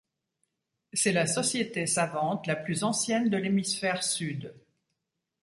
C'est la société savante la plus ancienne de l'hémisphère sud.